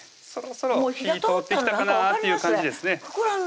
そろそろ火ぃ通ってきたかなっていう感じですね